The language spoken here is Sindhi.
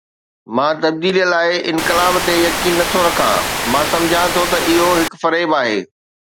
مان تبديليءَ لاءِ انقلاب تي يقين نه ٿو رکان، مان سمجهان ٿو ته اهو هڪ فريب آهي.